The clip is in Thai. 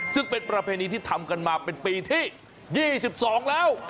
ซึ่งเป็นประเพณีที่ทำกันมาเป็นปีที่๒๒แล้ว